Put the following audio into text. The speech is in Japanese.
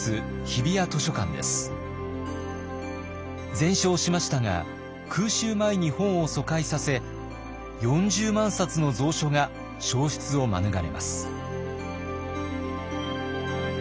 全焼しましたが空襲前に本を疎開させ４０万冊の蔵書が焼失を免れます。